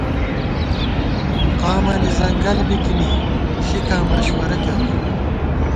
قامَنی ځنگل بِکِنی ، ݪِکاں مشوَرہ کېرون